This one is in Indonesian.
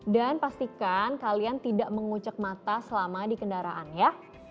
dan pastikan kalian tidak mengucek mata selama di kendaraan ya